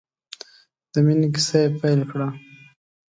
د مینې کیسه یې پیل کړه.